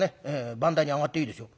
番台に上がっていいですよ」。